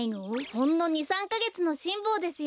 ほんの２３かげつのしんぼうですよ。